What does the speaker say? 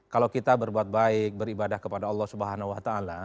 kalau kita berbuat baik beribadah kepada allah swt